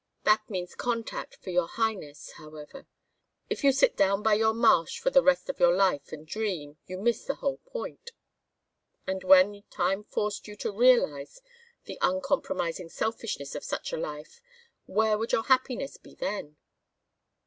That means contact for your highness, however. If you sit down by your marsh for the rest of your life and dream, you miss the whole point. And when time forced you to realize the uncompromising selfishness of such a life where would your happiness be then?"